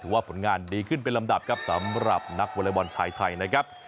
ว่าผลงานดีขึ้นเป็นลำดับครับสำหรับนักวอเล็กบอลชายไทยนะครับ